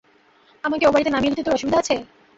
আমাকে ও-বাড়িতে নামিয়ে দিতে তোর অসুবিধা আছে?